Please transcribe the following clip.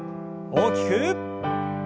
大きく。